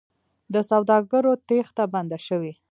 د سوداګرو تېښته بنده شوې؟